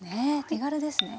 手軽ですね。